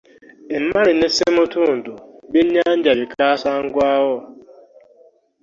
Emale ne semutundu by'ennyanja bikasangwawo.